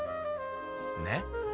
ねっ？